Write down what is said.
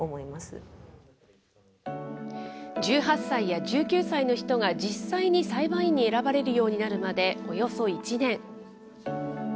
１８歳や１９歳の人が実際に裁判員に選ばれるようになるまで、およそ１年。